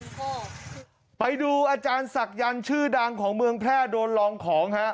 พ่อไปดูอาจารย์ศักยันต์ชื่อดังของเมืองแพร่โดนลองของฮะ